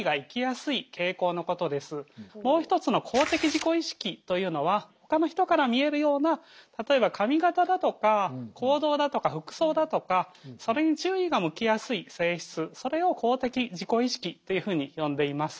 もう一つの公的自己意識というのはほかの人から見えるような例えば髪形だとか行動だとか服装だとかそれに注意が向きやすい性質それを公的自己意識というふうに呼んでいます。